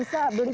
saya mau beli